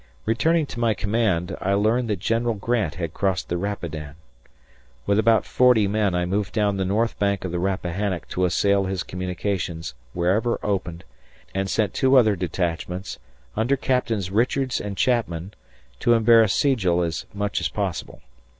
Returning to my command, I learned that General Grant had crossed the Rapidan. With about 40 men I moved down the north bank of the Rappahannock to assail his communications wherever opened, and sent two other detachments, under Captains Richards and Chapman, to embarrass Sigel as much as possible.